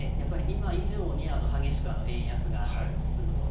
今以上に激しく円安が進むと。